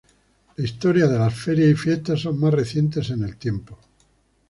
La historia de las Ferias y Fiestas son más recientes en el tiempo.